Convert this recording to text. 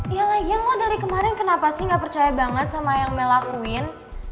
iya lagi yang lo dari kemarin kenapa sih gak percaya banget sama yang melakuin